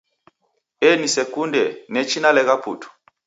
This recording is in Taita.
Eh nisekunde, nechi nalegha putu!